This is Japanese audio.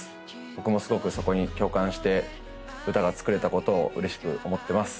僕もすごくそこに共感して歌が作れたことを嬉しく思ってます